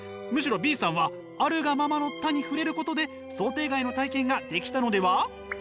むしろＢさんは「あるがままの多」に触れることで想定外の体験ができたのでは？